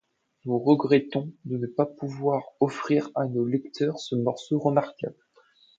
Nous regrettons de ne pouvoir offrir à nos lecteurs ce morceau remarquable.